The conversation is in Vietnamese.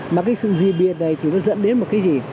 mà cái sự gì biệt này thì nó dẫn đến một cái gì